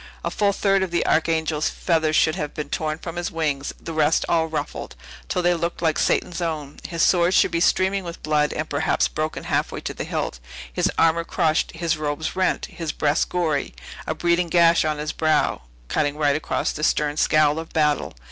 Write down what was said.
A full third of the Archangel's feathers should have been torn from his wings; the rest all ruffled, till they looked like Satan's own! His sword should be streaming with blood, and perhaps broken halfway to the hilt; his armor crushed, his robes rent, his breast gory; a bleeding gash on his brow, cutting right across the stern scowl of battle!